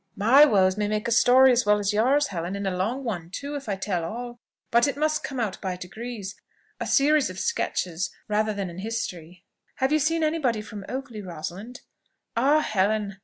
"My woes may make a story as well as yours, Helen; and a long one too, if I tell all: but it must come out by degrees, a series of sketches, rather than an history." "Have you seen any body from Oakley, Rosalind?" "Ah, Helen!"